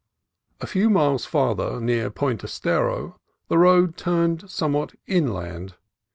A few miles farther, near Point Estero, the road turned somewhat inland.